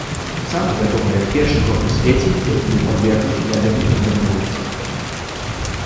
Таксама вядомы як першы горад у свеце, які быў падвергнуты ядзернай бамбардзіроўцы.